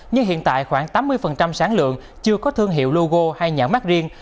nhưng hiện tại khoảng tám mươi sản lượng chưa có thương hiệu logo hay nhãn mát riêng